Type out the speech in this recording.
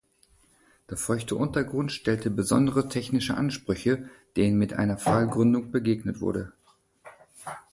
Der feuchte Untergrund stellte besondere technische Ansprüche, denen mit einer Pfahlgründung begegnet wurde.